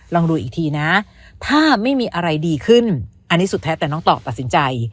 ลองดูอีกทีนะถ้าไม่มีอะไรดีขึ้นอันนี้สุดแท้แต่น้องต่อตัดสินใจ